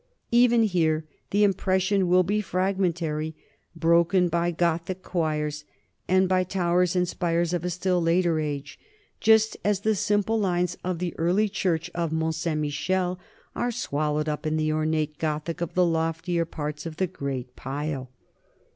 Even here the impression will be fragmen tary, broken by Gothic choirs and by towers and spires of a still later age, just as the simple lines of the early church of Mont Saint Michel are swallowed up in the ornate Gothic of the loftier parts of the great pile.